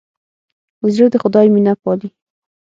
زړه د خدای مینه پالي.